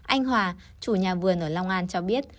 anh hòa chủ nhà vườn ở long an cho biết